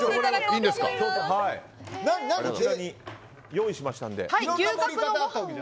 こちらに用意したので。